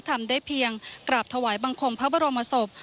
ทำได้เพียงกราบถวายบังคมพระบรมศพ